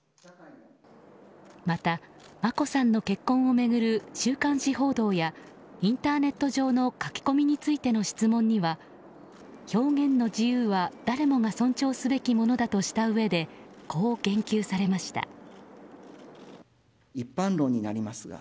また、眞子さんの結婚を巡る週刊誌報道やインターネット上の書き込みについての質問には表現の自由は、誰もが尊重すべきものだとしたうえでこう言及されました。